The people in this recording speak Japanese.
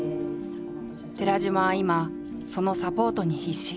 寺島は今そのサポートに必死。